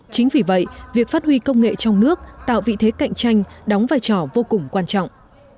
chính vì vậy việc phát huy công nghệ trong nước tạo vị thế cạnh tranh đóng vai trò vô cùng quan trọng